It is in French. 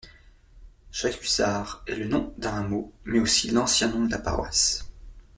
Chacusard est le nom d'un hameau, mais aussi l'ancien nom de la paroisse.